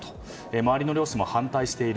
周りの漁師も反対している。